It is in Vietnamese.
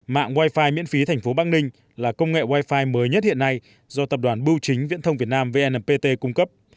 mạng wi fi miễn phí thành phố bắc ninh là công nghệ wi fi mới nhất hiện nay do tập đoàn bưu chính viễn thông việt nam vnpt cung cấp